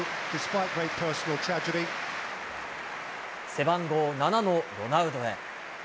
背番号７のロナウドへ。